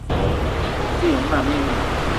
Mete yem mam éè inìng